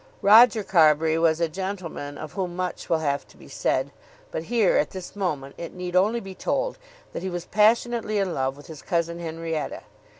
Roger Carbury was a gentleman of whom much will have to be said, but here, at this moment, it need only be told that he was passionately in love with his cousin Henrietta.